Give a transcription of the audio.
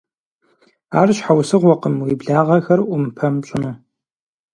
Ар щхьэусыгъуэкъым уи благъэхэр Ӏумпэм пщӀыну.